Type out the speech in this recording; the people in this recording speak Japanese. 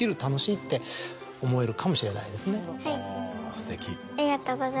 すてき。